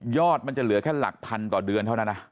มันจะเหลือแค่หลักพันต่อเดือนเท่านั้นนะ